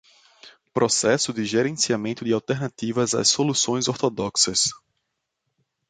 Processo de gerenciamento de alternativas às soluções ortodoxas